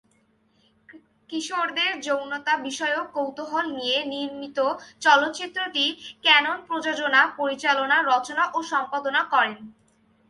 কিশোরদের যৌনতা বিষয়ক কৌতূহল নিয়ে নির্মিত চলচ্চিত্রটি ক্যানন প্রযোজনা, পরিচালনা, রচনা ও সম্পাদনা করেন।